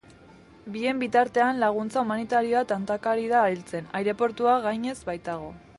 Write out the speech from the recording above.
Bien bitartean, laguntza humanitarioa tantaka ari da heltzen, aireportua gainez baitago.